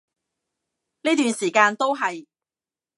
呢段時間都係